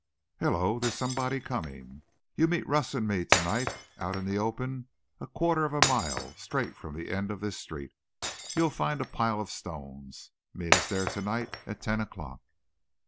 "Hello, there's somebody coming. You meet Russ and me to night, out in the open a quarter of a mile, straight from the end of this street. You'll find a pile of stones. Meet us there to night at ten o'clock."